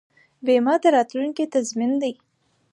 بیمه د راتلونکي تضمین دی.